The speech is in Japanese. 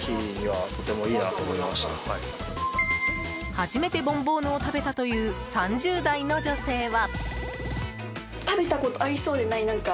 初めてボンボーヌを食べたという３０代の女性は。